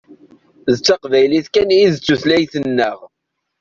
D taqbaylit kan i d tutlayt-nneɣ.